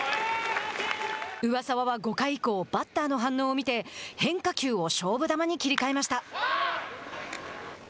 上沢は５回以降バッターの反応を見て変化球を勝負球に切りかえました。